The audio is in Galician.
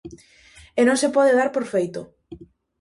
E non se pode dar por feito.